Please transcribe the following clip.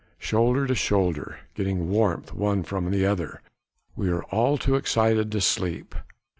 Shoulder to shoulder, getting warmth one from the other, we are all too excited to sleep.